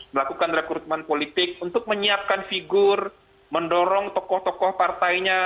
melakukan rekrutmen politik untuk menyiapkan figur mendorong tokoh tokoh partainya